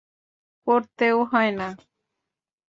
করতেও হয় না।